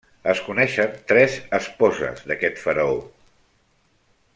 Es coneixen tres esposes d'aquest faraó.